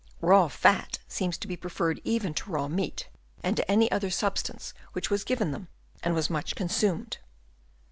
Raw fat seems to be preferred even to raw meat or to any other substance which was given them, and much was consumed.